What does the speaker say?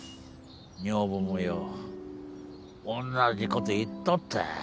女房もよおんなじこと言っとった。